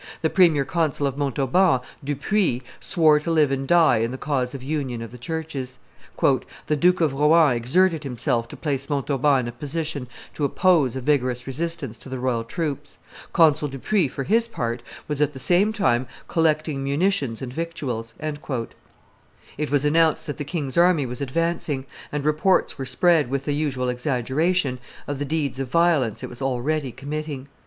The premier consul of Montauban, Dupuy, swore to live and die in the cause of union of the churches. "The Duke of Rohan exerted himself to place Montauban in a position to oppose a vigorous resistance to the royal troops. Consul Dupuy, for his part, was at the same time collecting munitions and victuals." It was announced that the king's army was advancing; and reports were spread, with the usual exaggeration, of the deeds of violence it was already committing.